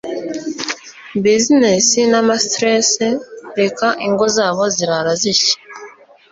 business n'amastress reka ingo zabo zirara zishya